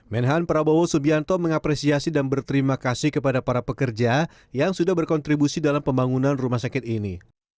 menhan prabowo subianto mengapresiasi dan berterima kasih kepada para pekerja yang sudah berkontribusi dalam pembangunan rumah sakit ini